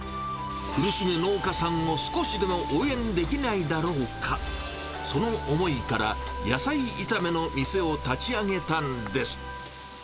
苦しむ農家さんを少しでも応援できないだろうか、その思いから、野菜炒めの店を立ち上げたんです。